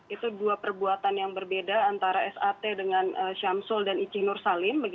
itu dua perbuatan yang berbeda antara sat dengan syamsul dan icinursalim